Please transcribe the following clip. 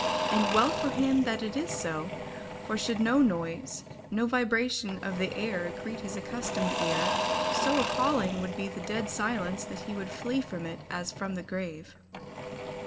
And well for him that it is so, for should no noise, no vibration of the air greet his accustomed ear, so appalling would be the dead silence that he would flee from it as from the grave.